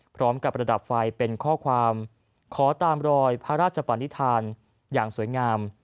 พร้อมกับระดับไฟเป็นข้อความขอตามรอยพระราชปณิธานอย่างสวยงาม